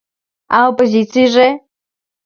А оппозицийже!..